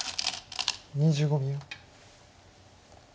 ２５秒。